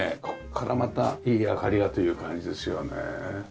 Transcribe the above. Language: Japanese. ここからまたいい明かりがという感じですよね。